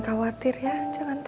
aku sendiri lebih penuh